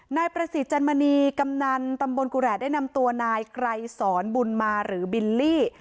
นายประสิทธิ์จันมณีกำนันตำบลกุระได้นำตัวนายไกรสอนบุญมาหรือบิลลี่